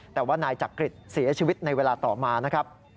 แต่ว่านายจักริตเสียชีวิตในเวลาต่อมานะครับ